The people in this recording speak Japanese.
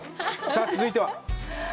さあ、続いては？